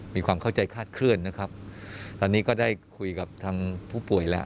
มีความเข้าใจคาดเคลื่อนนะครับตอนนี้ก็ได้คุยกับทางผู้ป่วยแล้ว